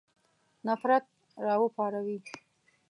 نفرت را وپاروي.